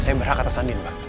saya berhak atas sandi pak